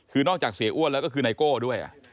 คือนอกจากเสียอ้วนแล้วก็คือไนโก้ด้วย